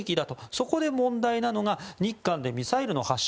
そこで問題なのが日韓でミサイルの発射